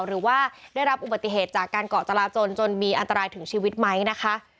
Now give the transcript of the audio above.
หรือว่าได้รับอุบัติเหตุจากการเกาะจราจนจนมีอันตรายถึงชีวิตไหมนะคะ